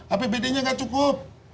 apbd nya nggak cukup